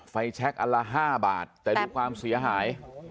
แชคอันละ๕บาทแต่ดูความเสียหาย